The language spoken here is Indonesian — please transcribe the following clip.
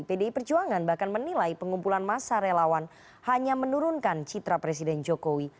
pdi perjuangan bahkan menilai pengumpulan masa relawan hanya menurunkan citra presiden jokowi